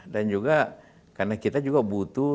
dan juga karena kita juga butuh